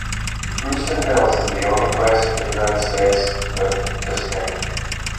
Bruceton Mills is the only place in the United States with this name.